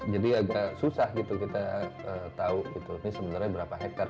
jadi agak susah gitu kita tahu ini sebenarnya berapa hektare